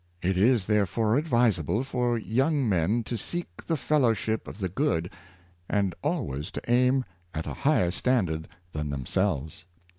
It is therefore advisable for young men to seek the fel lowship of the good, and always to aim at a higher standard than themselves.